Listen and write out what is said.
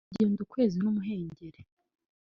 kugenda ukwezi n'umuhengeri;